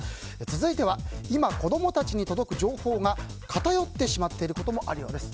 続いては今子供たちに届く情報が偏ってしまっていることもあるようです。